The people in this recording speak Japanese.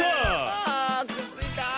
あくっついた！